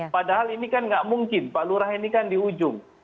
padahal ini kan nggak mungkin pak lurah ini kan di ujung